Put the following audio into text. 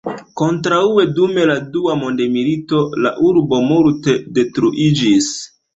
Kontraŭe dum la dua mondmilito la urbo multe detruiĝis.